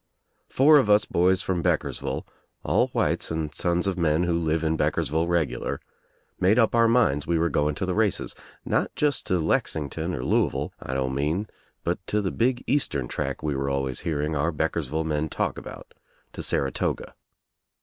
Four of us boys from Beckersville, all whites and sons of men who live in Bcckersville regular, made up our minds we were going to the races, not just to Lexington or Louisville, I don't mean, but to the big eastern track we were always hear ing our Beckersville men talk ^fut, to Saratoga.